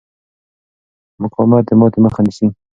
مقاومت د ماتې مخه نیسي.